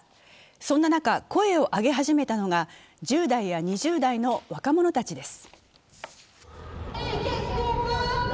そんな中、声を上げ始めたのが１０代や２０代の若者たちです。